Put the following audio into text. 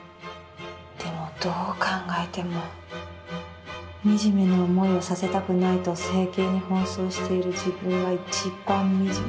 でもどう考えても、惨めな思いをさせたくないと整形に奔走している自分が一番惨め」。